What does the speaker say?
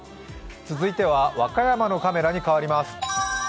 続いては和歌山のカメラに変わります。